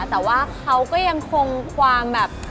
แต่ว่าเขาก็ยังคงกวางแบบ